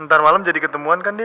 ntar malem jadi ketemuan kan dini